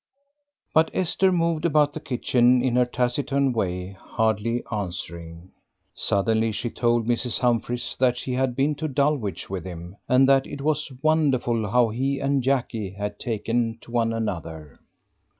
But Esther moved about the kitchen in her taciturn way, hardly answering. Suddenly she told Mrs. Humphries that she had been to Dulwich with him, and that it was wonderful how he and Jackie had taken to one another.